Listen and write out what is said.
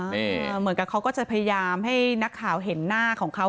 เหมือนกับเขาก็จะพยายามให้นักข่าวเห็นหน้าของเขา